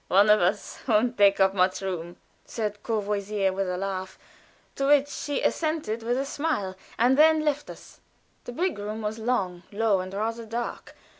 "One of us won't take much room," said Courvoisier with a laugh, to which she assented with a smile, and then left us. The big room was long, low, and rather dark.